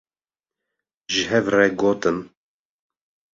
ji hev re gotin